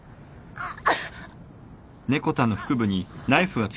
あっ。